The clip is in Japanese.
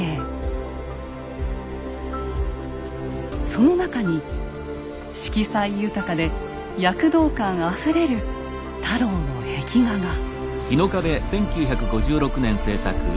その中に色彩豊かで躍動感あふれる太郎の壁画が。